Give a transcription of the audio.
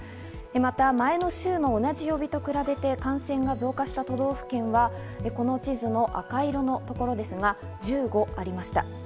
また前の週の同じ曜日と比べて感染が増加した都道府県はこの地図の赤色のところですが、１５ありました。